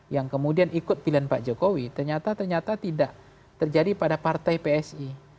yang kemudian ikut pilihan pak jokowi ternyata ternyata tidak terjadi pada partai psi